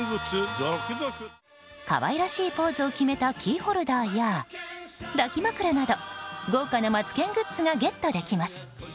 可愛らしいポーズを決めたキーホルダーや抱き枕など、豪華なマツケングッズがゲットできます。